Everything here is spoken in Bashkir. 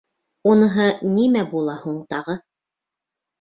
— Уныһы нимә була һуң тағы?